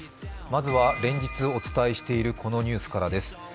まずは連日お伝えしているこのニュースからです。